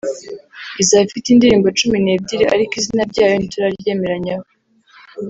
izaba ifite indirimbo cumi n’ebyiri ariko izina ryayo ntituraryemeranyaho